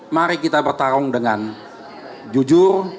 mari kita bertarung dengan jujur